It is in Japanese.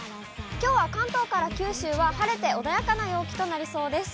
きょうは関東から九州は、晴れて、穏やかな陽気となりそうです。